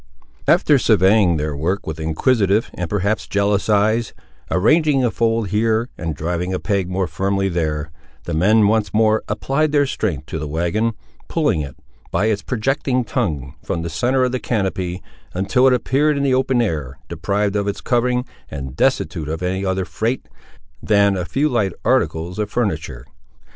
After surveying their work with inquisitive, and perhaps jealous eyes, arranging a fold here, and driving a peg more firmly there, the men once more applied their strength to the wagon, pulling it, by its projecting tongue, from the centre of the canopy, until it appeared in the open air, deprived of its covering, and destitute of any other freight, than a few light articles of furniture.